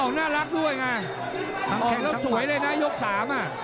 น่ารักด้วยไงออกแล้วสวยเลยนะยกสามอ่ะ